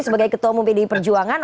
sebagai ketua umum pdi perjuangan